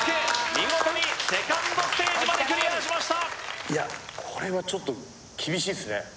見事にセカンドステージまでクリアしました